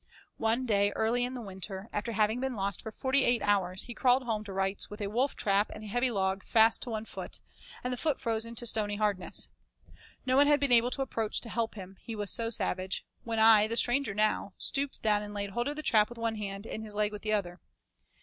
One day early in the winter, after having been lost for forty eight hours, he crawled home to Wright's with a wolf trap and a heavy log fast to one foot, and the foot frozen to stony hardness. No one had been able to approach to help him, he was so savage, when I, the stranger now, stooped down and laid hold of the trap with one hand and his leg with the other.